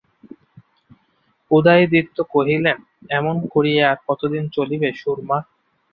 উদয়াদিত্য কহিলেন, এমন করিয়া আর কতদিন চলিবে সুরমা?